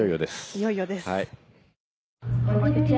いよいよです。